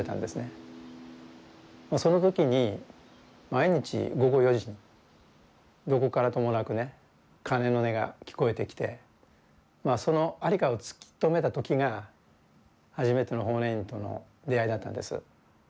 その時に毎日午後４時にどこからともなくね鐘の音が聞こえてきてその在りかを突き止めた時が初めての法然院との出会いだったんです。